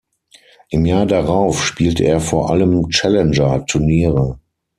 Im Jahr darauf spielte er vor allem Challenger-Turniere.